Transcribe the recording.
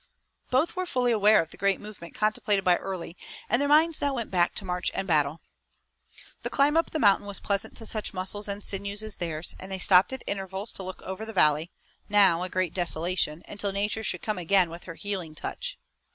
Both were fully aware of the great movement contemplated by Early and their minds now went back to march and battle. The climb up the mountain was pleasant to such muscles and sinews as theirs, and they stopped at intervals to look over the valley, now a great desolation, until nature should come again with her healing touch.